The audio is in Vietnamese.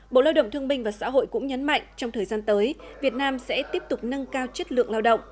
bộ lao động thương binh và xã hội cũng nhấn mạnh trong thời gian tới việt nam sẽ tiếp tục nâng cao chất lượng lao động